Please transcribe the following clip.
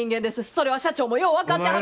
それは社長もよう分かってはる。